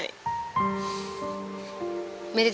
ไม่ได้ทำอะไรนะ